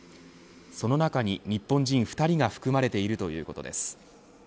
その中に日本人２人が含まれているということです。